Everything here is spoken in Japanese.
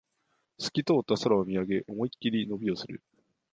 すき通った空を見上げ、思いっきり伸びをする